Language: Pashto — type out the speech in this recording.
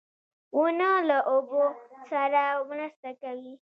• ونه له اوبو سره مرسته کوي.